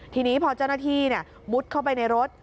ทีนี้พอเจ้าหน้าที่มุดเข้าไปในรถ